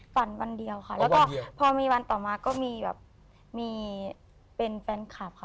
วันเดียวค่ะแล้วก็พอมีวันต่อมาก็มีแบบมีเป็นแฟนคลับค่ะ